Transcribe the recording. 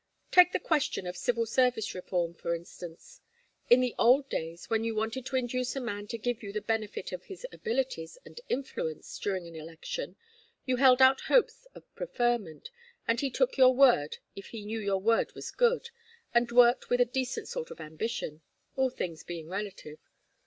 Take the question of Civil Service Reform, for instance. In the old days when you wanted to induce a man to give you the benefit of his abilities and influence during an election, you held out hopes of preferment, and he took your word if he knew your word was good, and worked with a decent sort of ambition all things being relative.